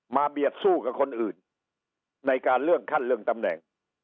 เบียดสู้กับคนอื่นในการเรื่องขั้นเรื่องตำแหน่ง